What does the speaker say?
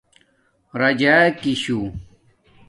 راجاکی شُݸ